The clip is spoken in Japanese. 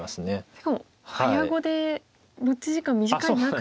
しかも早碁で持ち時間短い中での。